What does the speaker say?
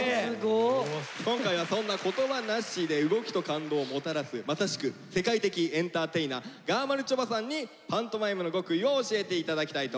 今回はそんな言葉なしで動きと感動をもたらすまさしく世界的エンターテイナーがまるちょばさんにパントマイムの極意を教えていただきたいと思います。